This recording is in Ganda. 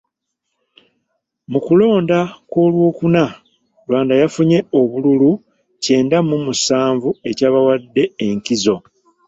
Mu kulonda kw'Olwokuna, Rwanda yafunye obululu kyenda mu musanvu ekyabawadde enkizo.